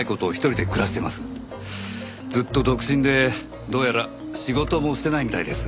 ずっと独身でどうやら仕事もしてないみたいです。